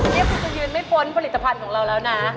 นี่คุณจะยืนไม่พ้นผลิตภัณฑ์ของเราแล้วนะ